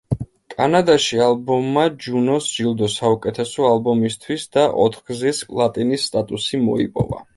კანადაში ალბომმა ჯუნოს ჯილდო საუკეთესო ალბომისთვის და ოთხგზის პლატინის სტატუსი მოიპოვა.